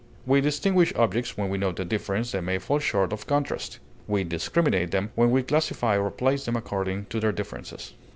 We distinguish objects when we note a difference that may fall short of contrast; we discriminate them when we classify or place them according to their differences.